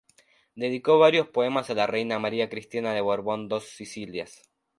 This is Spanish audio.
Dedicó varios poemas a la reina María Cristina de Borbón-Dos Sicilias.